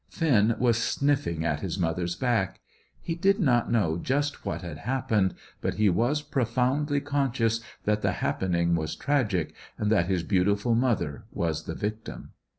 Finn was sniffing at his mother's back. He did not know just what had happened, but he was profoundly conscious that the happening was tragic, and that his beautiful mother was the victim.